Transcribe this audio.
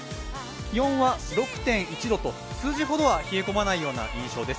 気温は６．１度と数字ほどは冷え込まない印象です。